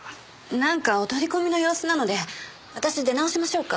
なんかお取り込みの様子なので私出直しましょうか？